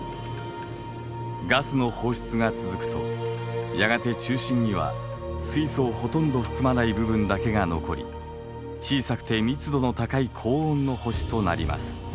ガスの放出が続くとやがて中心には水素をほとんど含まない部分だけが残り小さくて密度の高い高温の星となります。